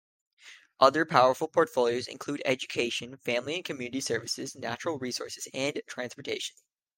Other powerful porfolios include Education, Family and Community Services, Natural Resources and Transportation.